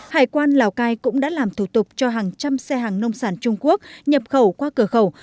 hải quan lào cai cũng đã làm thủ tục cho hàng trăm xe hàng nông sản trung quốc nhập khẩu qua cửa khẩu